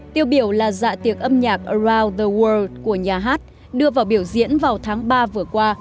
tiêu biểu là dạ tiệc âm nhạc around the world của nhà hát đưa vào biểu diễn vào tháng ba vừa qua